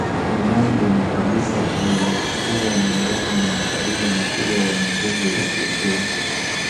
Wanyambo ni kabila lilokuwa miongoni mwa makabila makubwa yenye nguvu za kiuchumi